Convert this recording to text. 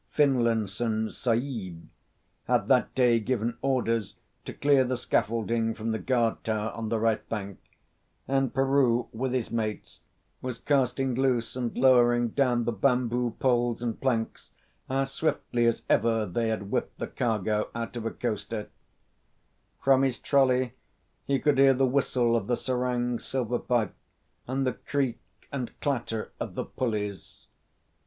Finlinson Sahib had that day given orders to clear the scaffolding from the guard tower on the right bank, and Peroo with his mates was casting loose and lowering down the bamboo poles and planks as swiftly as ever they had whipped the cargo out of a coaster. From his trolley he could hear the whistle of the serang's silver pipe and the creek and clatter of the pulleys.